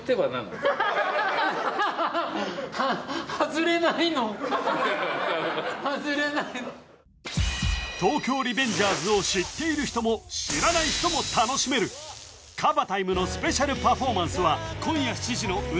ハハハは「東京リベンジャーズ」を知っている人も知らない人も楽しめるＫＡＢＡ．タイムのスペシャルパフォーマンスは今夜７時のＵＴＡＧＥ！